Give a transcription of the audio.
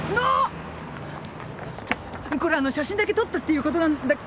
これあの写真だけ撮ったっていうことなんだ。